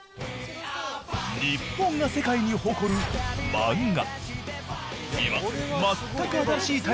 日本が世界に誇る漫画